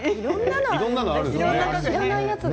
知らないやつが。